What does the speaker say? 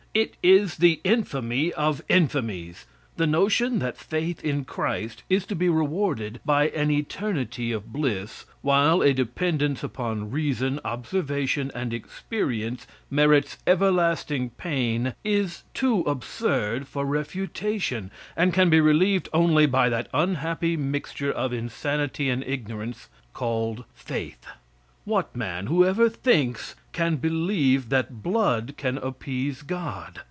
It is the infamy of infamies. The notion that faith in Christ is to be rewarded by an eternity of bliss, while a dependence upon reason, observation, and experience merits everlasting pain, is too absurd for refutation, and can be relieved only by that unhappy mixture of insanity and ignorance, called "faith." What man, who ever thinks, can believe that blood can appease God?